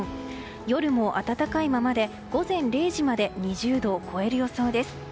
夜も暖かいままで午前０時まで２０度を超える予想です。